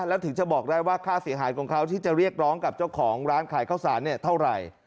แล้วถึงจะบอกได้ว่าค่าเสียหายของเขาที่จะเรียกร้องกับเจ้าของร้านขายข้าวสารเนี่ยเท่าไหร่